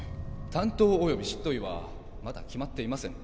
担当および執刀医はまだ決まっていません。